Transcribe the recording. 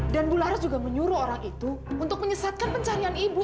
dan bularas juga menyuruh orang itu untuk menyesatkan pencarian ibu